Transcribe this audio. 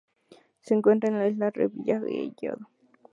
Se encuentran en las islas Revillagigedo.